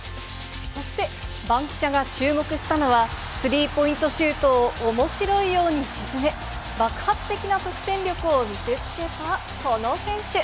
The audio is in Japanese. そして、バンキシャが注目したのは、スリーポイントシュートをおもしろいように沈め、爆発的な得点力を見せつけたこの選手。